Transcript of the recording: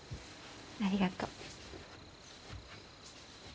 ありがとう。